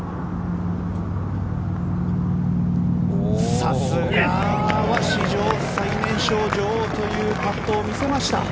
さすがは史上最年少女王というパットを見せました。